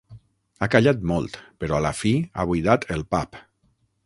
Ha callat molt, però a la fi ha buidat el pap.